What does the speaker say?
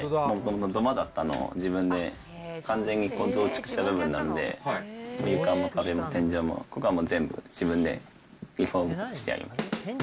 土間だったのを自分で完全に増築した部分なんで、壁も天井も、ここはもう全部自分でリフォームしてあります。